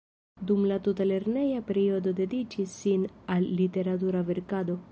Dum la tuta lerneja periodo dediĉis sin al literatura verkado.